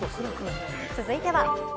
続いては。